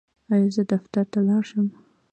ایا زه دفتر ته لاړ شم؟